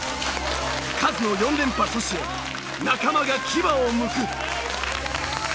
カズの４連覇阻止へ仲間が牙をむく！